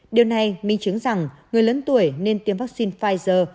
điều này minh chứng rằng người lớn tuổi nên tiêm vắc xin pfizer